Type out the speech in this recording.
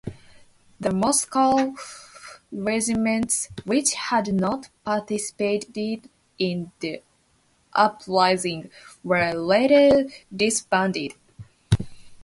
The Moscow regiments, which had not participated in the uprising, were later disbanded.